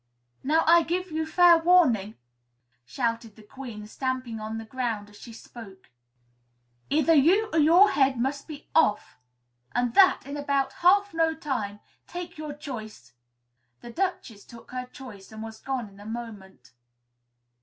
"Now, I give you fair warning," shouted the Queen, stamping on the ground as she spoke, "either you or your head must be off, and that in about half no time. Take your choice!" The Duchess took her choice, and was gone in a moment.